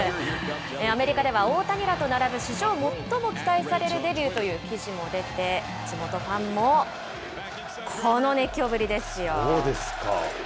アメリカでは大谷らと並ぶ史上最も期待されるデビューという記事も出て、地元ファンも、この熱狂ぶりですよ。